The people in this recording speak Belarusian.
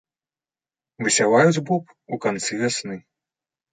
Высяваюць боб у канцы вясны.